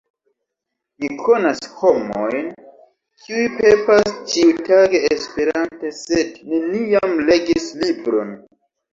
Mi konas homojn, kiuj pepas ĉiutage esperante sed neniam legis libron.